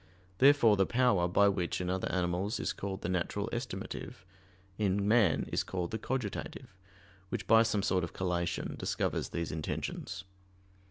Therefore the power by which in other animals is called the natural estimative, in man is called the "cogitative," which by some sort of collation discovers these intentions.